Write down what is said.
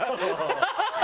ハハハハ！